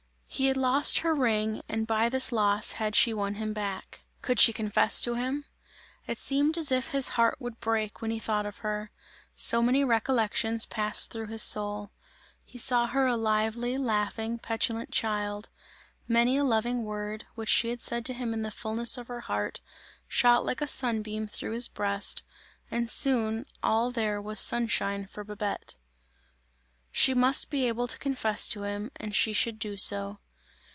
He had lost her ring and by this loss had she won him back. Could she confess to him? It seemed as if his heart would break when he thought of her; so many recollections passed through his soul. He saw her a lively, laughing, petulant child; many a loving word, which she had said to him in the fullness of her heart, shot like a sunbeam through his breast and soon all there was sunshine for Babette. She must be able to confess to him and she should do so.